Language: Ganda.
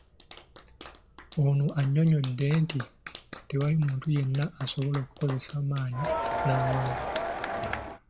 Ono annyonnyodde nti tewali muntu yenna asobola kukozesa maanyi n’awangula.